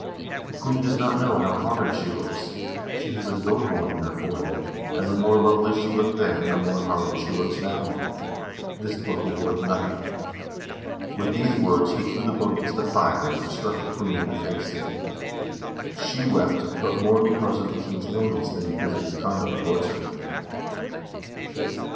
The queen does not know how horrid she looks. She has a goat horn in her forehead, and the more lovely she looked then, the more horrid she looks now. This book is worth nothing." With these words he threw the book into the fire, and struck the queen in the face. She wept, but more be cause of the king's illness than because of his conduct towards her.